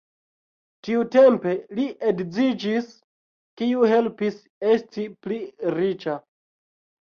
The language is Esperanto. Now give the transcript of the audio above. Tiutempe li edziĝis, kiu helpis esti pli riĉa.